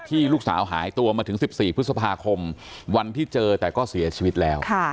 ลูกสาวหายตัวมาถึง๑๔พฤษภาคมวันที่เจอแต่ก็เสียชีวิตแล้ว